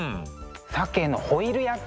鮭のホイル焼き。